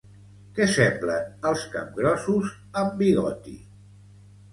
Què semblen els capgrossos amb bigoti?